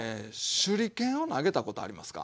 手裏剣を投げたことありますか？